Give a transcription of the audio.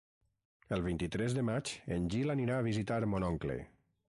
El vint-i-tres de maig en Gil anirà a visitar mon oncle.